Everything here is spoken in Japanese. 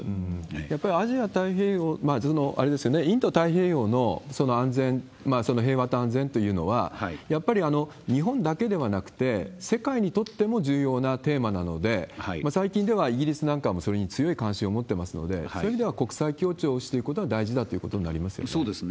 やっぱりアジア太平洋、インド太平洋のその安全、その平和と安全というのは、やっぱり日本だけではなくて、世界にとっても重要なテーマなので、最近ではイギリスなんかもそれに強い関心を持ってますので、そういう意味では国際協調していくことが大事だということになりますそうですね。